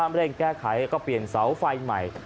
ไม่ได้ยิ่งแก้ไขก็เปลี่ยนเสาไฟใหม่